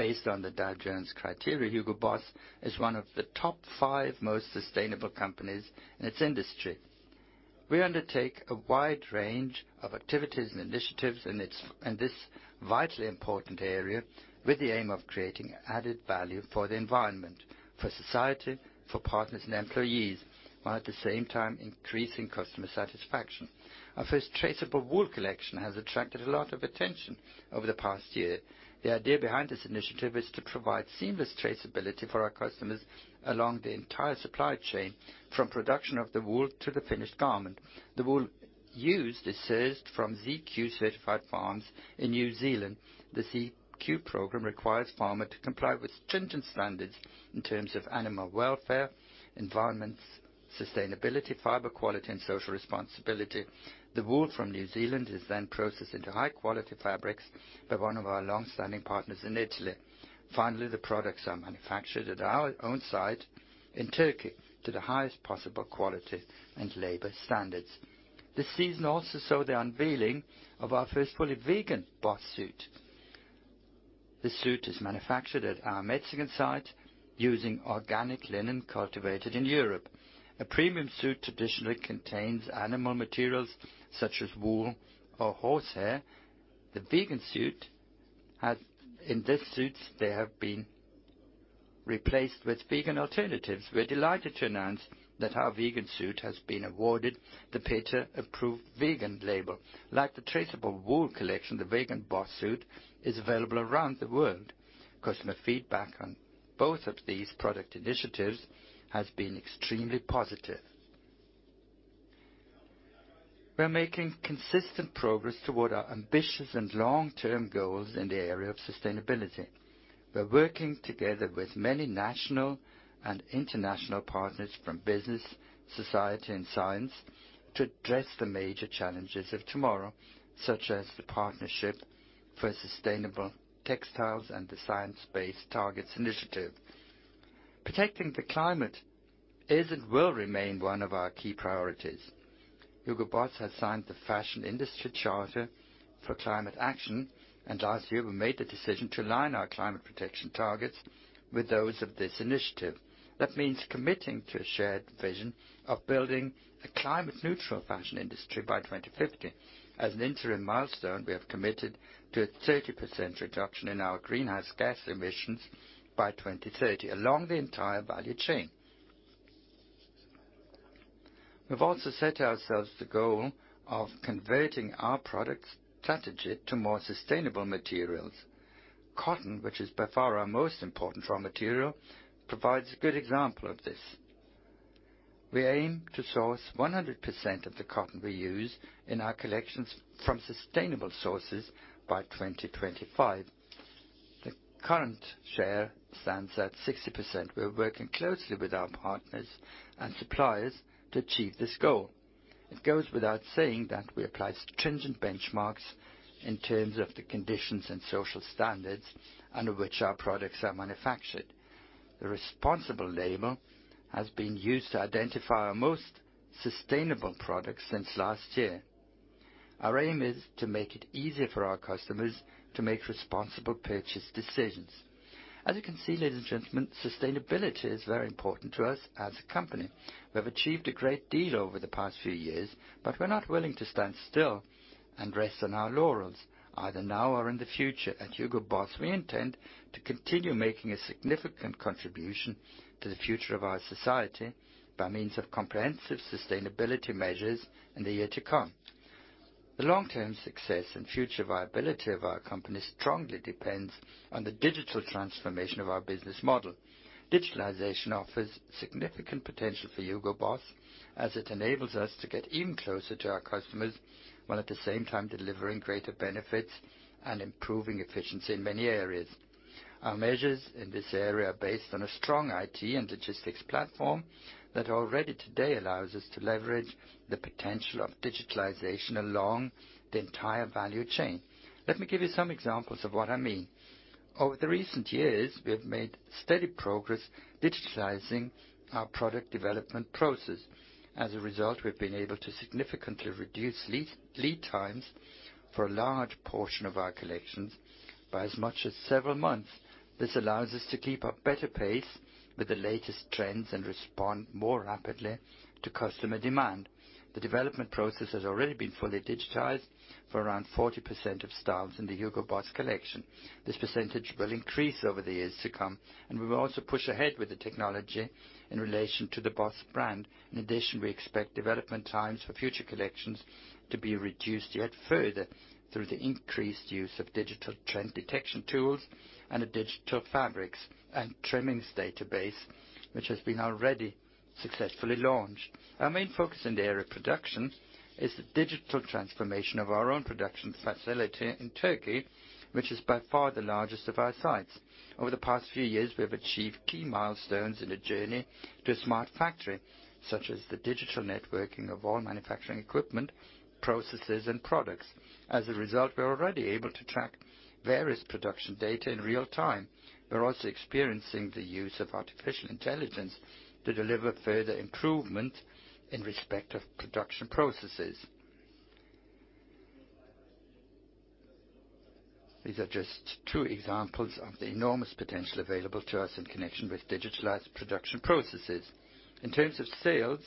Based on the Dow Jones criteria, Hugo Boss is one of the top five most sustainable companies in its industry. We undertake a wide range of activities and initiatives in this vitally important area with the aim of creating added value for the environment, for society, for partners and employees, while at the same time increasing customer satisfaction. Our first traceable wool collection has attracted a lot of attention over the past year. The idea behind this initiative is to provide seamless traceability for our customers along the entire supply chain, from production of the wool to the finished garment. The wool used is sourced from ZQ-certified farms in New Zealand. The ZQ program requires farmers to comply with stringent standards in terms of animal welfare, environment sustainability, fiber quality, and social responsibility. The wool from New Zealand is then processed into high-quality fabrics by one of our long-standing partners in Italy. Finally, the products are manufactured at our own site in Turkey to the highest possible quality and labor standards. This season also saw the unveiling of our first fully vegan BOSS suit. The suit is manufactured at our Mexican site using organic linen cultivated in Europe. A premium suit traditionally contains animal materials such as wool or horsehair. In these suits, they have been replaced with vegan alternatives. We are delighted to announce that our vegan suit has been awarded the PETA-Approved Vegan label. Like the traceable wool collection, the vegan BOSS suit is available around the world. Customer feedback on both of these product initiatives has been extremely positive. We're making consistent progress toward our ambitious and long-term goals in the area of sustainability. We're working together with many national and international partners from business, society, and science to address the major challenges of tomorrow, such as the Partnership for Sustainable Textiles and the Science Based Targets initiative. Protecting the climate is and will remain one of our key priorities. Hugo Boss has signed the Fashion Industry Charter for Climate Action. Last year, we made the decision to align our climate protection targets with those of this initiative. That means committing to a shared vision of building a climate neutral fashion industry by 2050. As an interim milestone, we have committed to a 30% reduction in our greenhouse gas emissions by 2030 along the entire value chain. We've also set ourselves the goal of converting our products strategy to more sustainable materials. Cotton, which is by far our most important raw material, provides a good example of this. We aim to source 100% of the cotton we use in our collections from sustainable sources by 2025. The current share stands at 60%. We're working closely with our partners and suppliers to achieve this goal. It goes without saying that we apply stringent benchmarks in terms of the conditions and social standards under which our products are manufactured. The responsible label has been used to identify our most sustainable products since last year. Our aim is to make it easier for our customers to make responsible purchase decisions. As you can see, ladies and gentlemen, sustainability is very important to us as a company. We have achieved a great deal over the past few years, but we're not willing to stand still and rest on our laurels either now or in the future. At Hugo Boss, we intend to continue making a significant contribution to the future of our society by means of comprehensive sustainability measures in the year to come. The long-term success and future viability of our company strongly depends on the digital transformation of our business model. Digitalization offers significant potential for Hugo Boss as it enables us to get even closer to our customers, while at the same time delivering greater benefits and improving efficiency in many areas. Our measures in this area are based on a strong IT and logistics platform that already today allows us to leverage the potential of digitalization along the entire value chain. Let me give you some examples of what I mean. Over the recent years, we have made steady progress digitalizing our product development process. As a result, we've been able to significantly reduce lead times for a large portion of our collections by as much as several months. This allows us to keep up better pace with the latest trends and respond more rapidly to customer demand. The development process has already been fully digitized for around 40% of styles in the Hugo Boss collection. This percentage will increase over the years to come, and we will also push ahead with the technology in relation to the BOSS brand. In addition, we expect development times for future collections to be reduced yet further through the increased use of digital trend detection tools and a digital fabrics and trimmings database, which has been already successfully launched. Our main focus in the area of production is the digital transformation of our own production facility in Turkey, which is by far the largest of our sites. Over the past few years, we have achieved key milestones in a journey to a smart factory, such as the digital networking of all manufacturing equipment, processes, and products. As a result, we're already able to track various production data in real-time. We're also experiencing the use of artificial intelligence to deliver further improvement in respect of production processes. These are just two examples of the enormous potential available to us in connection with digitalized production processes. In terms of sales,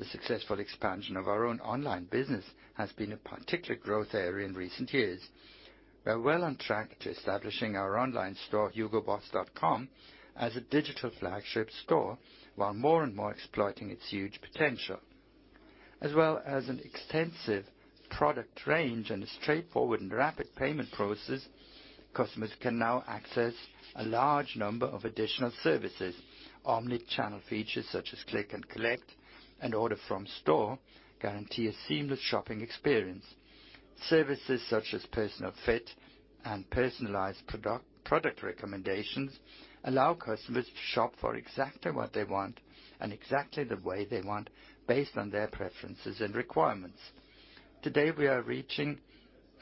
the successful expansion of our own online business has been a particular growth area in recent years. We're well on track to establishing our online store, hugoboss.com, as a digital flagship store, while more and more exploiting its huge potential. As well as an extensive product range and a straightforward and rapid payment process, customers can now access a large number of additional services. Omnichannel features such as click and collect, and order from store guarantee a seamless shopping experience. Services such as personal fit and personalized product recommendations allow customers to shop for exactly what they want and exactly the way they want, based on their preferences and requirements. Today, we are reaching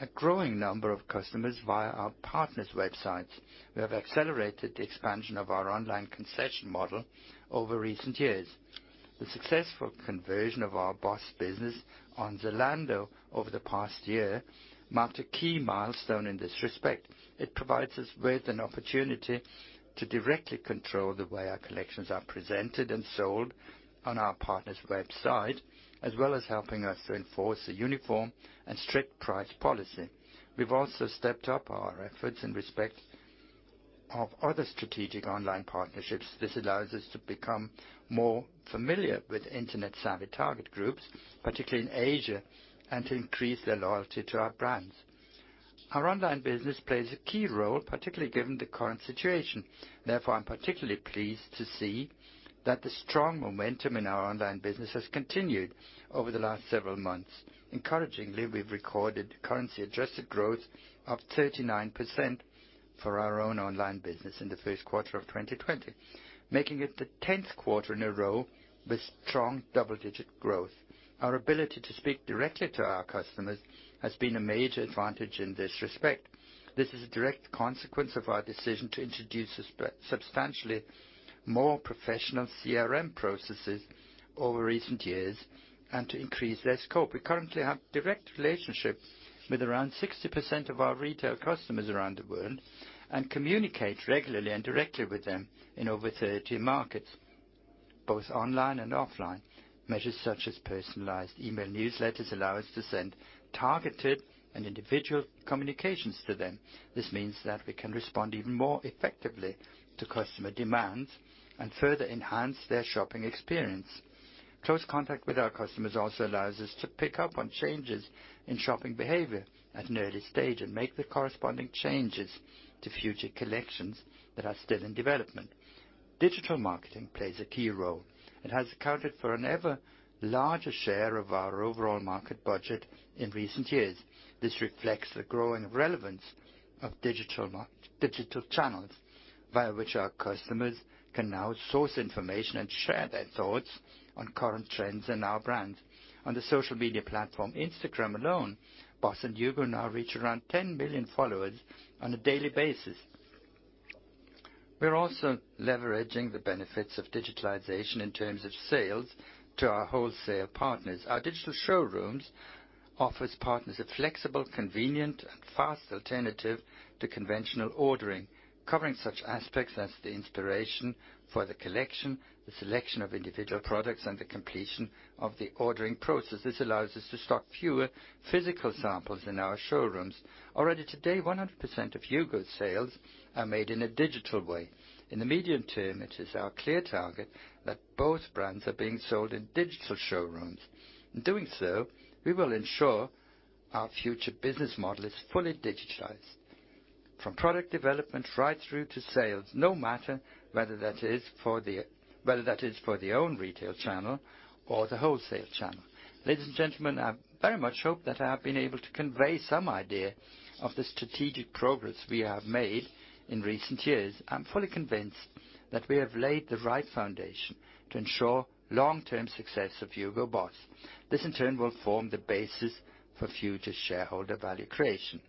a growing number of customers via our partners' websites. We have accelerated the expansion of our online concession model over recent years. The successful conversion of our BOSS business on Zalando over the past year marked a key milestone in this respect. It provides us with an opportunity to directly control the way our collections are presented and sold on our partner's website, as well as helping us to enforce a uniform and strict price policy. We've also stepped up our efforts in respect of other strategic online partnerships. This allows us to become more familiar with Internet-savvy target groups, particularly in Asia, and to increase their loyalty to our brands. Our online business plays a key role, particularly given the current situation. I'm particularly pleased to see that the strong momentum in our online business has continued over the last several months. Encouragingly, we've recorded currency-adjusted growth of 39% for our own online business in the first quarter of 2020, making it the 10th quarter in a row with strong double-digit growth. Our ability to speak directly to our customers has been a major advantage in this respect. This is a direct consequence of our decision to introduce substantially more professional CRM processes over recent years and to increase their scope. We currently have direct relationships with around 60% of our retail customers around the world, and communicate regularly and directly with them in over 30 markets, both online and offline. Measures such as personalized email newsletters allow us to send targeted and individual communications to them. This means that we can respond even more effectively to customer demands and further enhance their shopping experience. Close contact with our customers also allows us to pick up on changes in shopping behavior at an early stage and make the corresponding changes to future collections that are still in development. Digital marketing plays a key role. It has accounted for an ever larger share of our overall market budget in recent years. This reflects the growing relevance of digital channels, via which our customers can now source information and share their thoughts on current trends and our brands. On the social media platform Instagram alone, BOSS and HUGO now reach around 10 million followers on a daily basis. We are also leveraging the benefits of digitalization in terms of sales to our wholesaler partners. Our digital showrooms offers partners a flexible, convenient, and fast alternative to conventional ordering, covering such aspects as the inspiration for the collection, the selection of individual products, and the completion of the ordering process. This allows us to stock fewer physical samples in our showrooms. Already today, 100% of HUGO sales are made in a digital way. In the medium term, it is our clear target that both brands are being sold in digital showrooms. In doing so, we will ensure our future business model is fully digitized, from product development right through to sales, no matter whether that is for the own retail channel or the wholesale channel. Ladies and gentlemen, I very much hope that I have been able to convey some idea of the strategic progress we have made in recent years. I'm fully convinced that we have laid the right foundation to ensure long-term success of Hugo Boss. This, in turn, will form the basis for future shareholder value creation.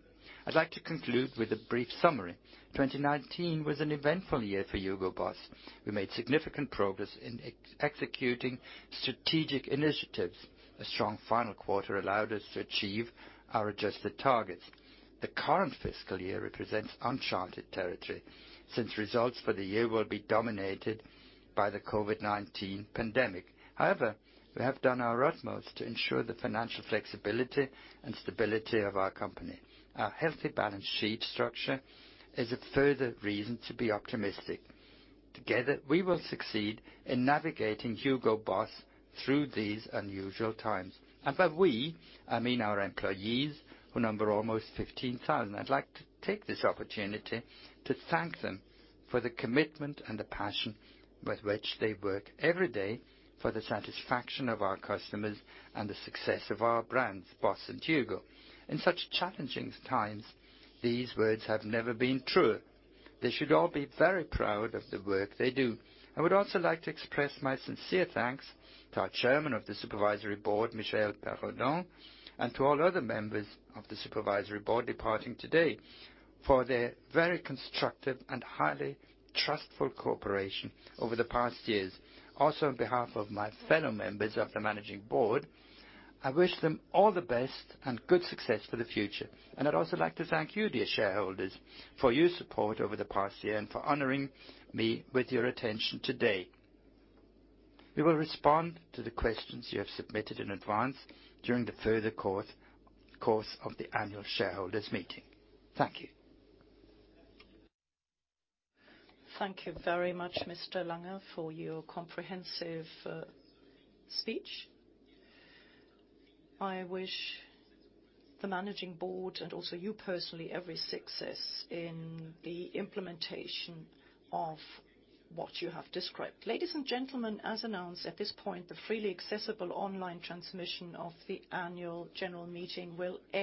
I'd like to conclude with a brief summary. 2019 was an eventful year for Hugo Boss. We made significant progress in executing strategic initiatives. A strong final quarter allowed us to achieve our adjusted targets. The current fiscal year represents uncharted territory, since results for the year will be dominated by the COVID-19 pandemic. However, we have done our utmost to ensure the financial flexibility and stability of our company. Our healthy balance sheet structure is a further reason to be optimistic. Together, we will succeed in navigating Hugo Boss through these unusual times. By we, I mean our employees, who number almost 15,000. I'd like to take this opportunity to thank them for the commitment and the passion with which they work every day for the satisfaction of our customers and the success of our brands, BOSS and HUGO. In such challenging times, these words have never been truer. They should all be very proud of the work they do. I would also like to express my sincere thanks to our Chairman of the Supervisory Board, Michel Perraudin, and to all other members of the Supervisory Board departing today, for their very constructive and highly trustful cooperation over the past years. On behalf of my fellow members of the Managing Board, I wish them all the best and good success for the future. I'd also like to thank you, dear shareholders, for your support over the past year and for honoring me with your attention today. We will respond to the questions you have submitted in advance during the further course of the annual shareholders meeting. Thank you. Thank you very much, Mr. Langer, for your comprehensive speech. I wish the managing board, and also you personally, every success in the implementation of what you have described. Ladies and gentlemen, as announced, at this point, the freely accessible online transmission of the annual general meeting will end